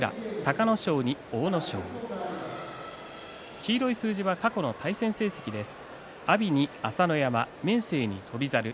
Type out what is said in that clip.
黄色い数字は過去の対戦成績です。